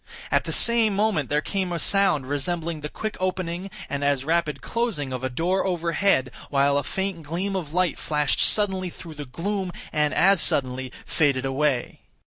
At the same moment there came a sound resembling the quick opening, and as rapid closing of a door overhead, while a faint gleam of light flashed suddenly through the gloom, and as suddenly faded away.